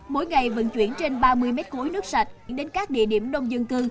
mỗi ngày vận chuyển trên ba mươi mét khối nước sạch đến các địa điểm đông dân cư